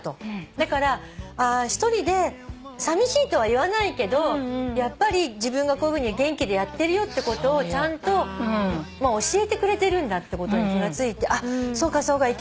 だから一人でさみしいとは言わないけどやっぱり自分がこういうふうに元気でやってるよってことをちゃんと教えてくれてるんだってことに気が付いてそうかいけないいけない